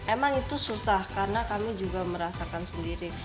emang itu susah karena kami juga merasakan sendiri